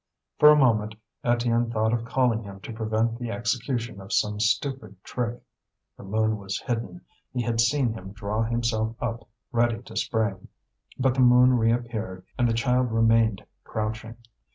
For a moment Étienne thought of calling him to prevent the execution of some stupid trick. The moon was hidden. He had seen him draw himself up ready to spring; but the moon reappeared, and the child remained crouching.